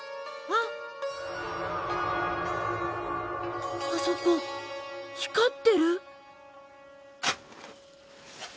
あそこ光ってる！？